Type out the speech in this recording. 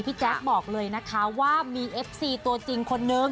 แจ๊คบอกเลยนะคะว่ามีเอฟซีตัวจริงคนนึง